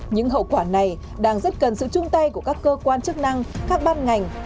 những hậu quả này đang rất cần sự chung tay của các cơ quan chức năng các ban ngành